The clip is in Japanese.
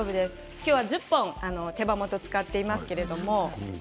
今日は１０本手羽元を使っていますけど。